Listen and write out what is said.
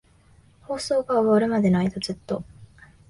放送が終わるまでの間、ずっと。